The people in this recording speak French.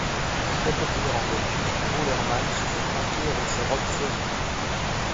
Très populaire en Belgique, Paule Herreman se fait remarquer avec ses robes fleuries.